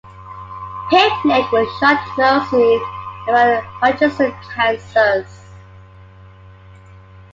"Picnic" was shot mostly around Hutchinson, Kansas.